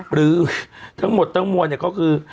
หรือทั้งหมดทั้งมวลก็คือ